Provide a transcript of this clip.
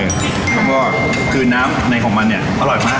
แล้วก็คือน้ำในของมันเนี่ยอร่อยมาก